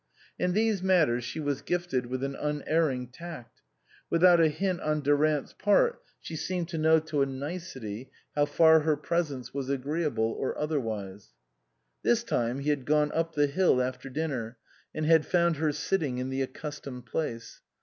In these matters she was gifted with an un erring tact ; without a hint on Durant' s part she seemed to know to a nicety how far her presence was agreeable or otherwise. This time he had gone up the hill after dinner, and had found her sitting in the accustomed place.